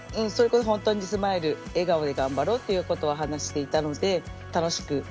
それこそ本当にスマイル笑顔で頑張ろうということは話していたので、楽しく。